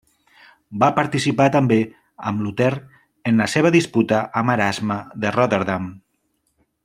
Va participar també amb Luter en la seva disputa amb Erasme de Rotterdam.